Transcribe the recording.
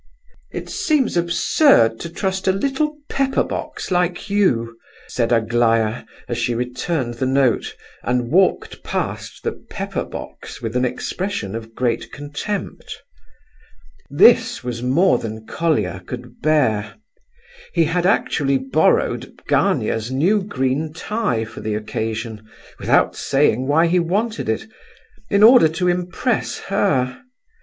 "It seems absurd to trust a little pepper box like you," said Aglaya, as she returned the note, and walked past the "pepper box" with an expression of great contempt. This was more than Colia could bear. He had actually borrowed Gania's new green tie for the occasion, without saying why he wanted it, in order to impress her.